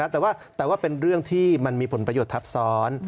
แต่ว่าเป็นเรื่องที่มันมีผลประโยชน์ทับซ้อน